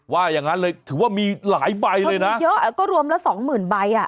อย่างนั้นเลยถือว่ามีหลายใบเลยนะเยอะก็รวมละสองหมื่นใบอ่ะ